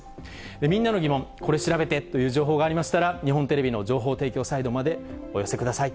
みんなのギモン、これ調べてっていう情報がありましたら、日本テレビの情報提供サイトまでお寄せください。